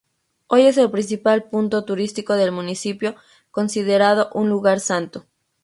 Hoy es el principal punto turístico del municipio, considerado un lugar santo.